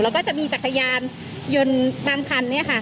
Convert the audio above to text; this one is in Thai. แล้วก็จะมีจักรยานยนต์บางคันเนี่ยค่ะ